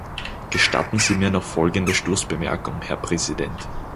Gestatten Sie mir noch folgende Schlussbemerkung, Herr Präsident.